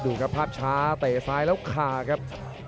ดูครับภาพช้าเตะซ้ายแล้วขาครับ